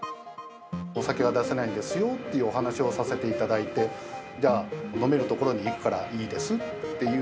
お酒は出せないんですよっていうお話をさせていただいて、じゃあ、飲める所に行くからいいですっていう。